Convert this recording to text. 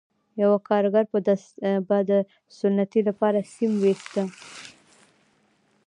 یوه کارګر به د ستنې لپاره سیم ویسته